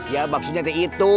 ya maksudnya itu